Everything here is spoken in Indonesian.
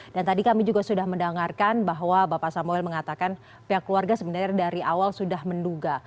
dan tadi kami juga sudah mendengarkan bahwa bapak samuel mengatakan pihak keluarga sebenarnya dari awal sudah menduga